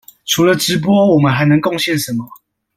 除了直播，我們還能貢獻什麼？